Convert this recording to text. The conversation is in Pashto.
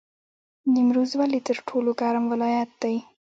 نیمروز ولې تر ټولو ګرم ولایت دی؟